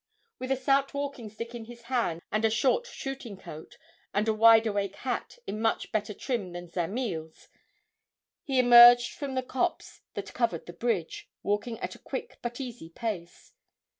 With a stout walking stick in his hand, and a short shooting coat, and a wide awake hat in much better trim than Zamiel's, he emerged from the copse that covered the bridge, walking at a quick but easy pace.